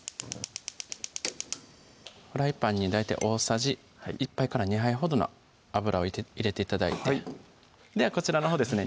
フライパンに大体大さじ１杯から２杯ほどの油を入れて頂いてではこちらのほうですね